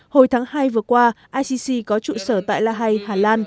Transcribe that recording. hồi tháng hai vừa qua icc có trụ sở tại la hay hà lan